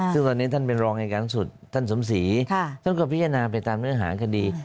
ซึ่งตอนนี้ท่านเป็นรองอายการสูงสุดท่านสมศรีท่านก็พิจารณาไปตามเนื้อหาคดี